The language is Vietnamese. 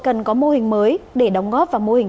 cần có mô hình mới để đóng góp vào mô hình